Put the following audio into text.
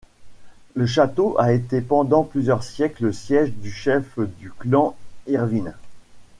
Le château a été pendant plusieurs siècles le siège du chef du Clan Irvine.